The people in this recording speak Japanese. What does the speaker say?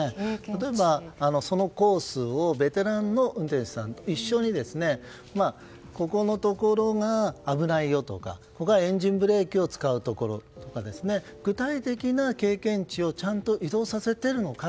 例えばそのコースをベテランの運転手さんと一緒にここのところが、危ないよとかここがエンジンブレーキを使うところとか具体的な経験値をちゃんと移動させているのか。